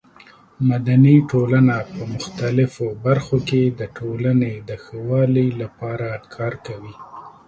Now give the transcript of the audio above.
مدني ټولنه په مختلفو برخو کې د ټولنې د ښه والي لپاره کار کوي.